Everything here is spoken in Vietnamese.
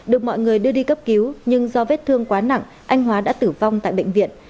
được mọi người đưa đi cấp cứu nhưng do vết thương quá nặng anh hóa đã tử vong tại bệnh viện